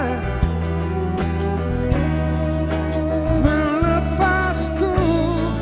aku mau menjampingi dirimu